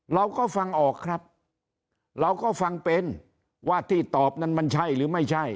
เราก็ฟังออกครับเราก็ฟังเป็นว่าที่ตอบนั้นมันใช่หรือไม่ใช่